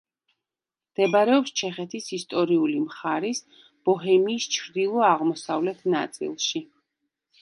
მდებარეობს ჩეხეთის ისტორიული მხარის ბოჰემიის ჩრდილო-აღმოსავლეთ ნაწილში.